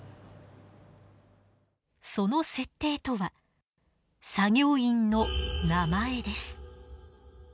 その設定とは作業員の名前です。